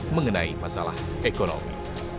mengenai masalah ekonomi